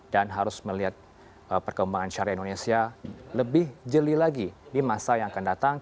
dan harus melihat perkembangan syariah indonesia lebih jeli lagi di masa yang akan datang